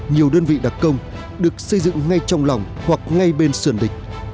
nhiều đơn vị đặc công được xây dựng ngay trong lòng hoặc ngay bên sườn địch